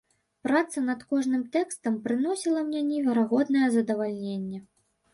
Праца над кожным тэкстам прыносіла мне неверагоднае задавальненне.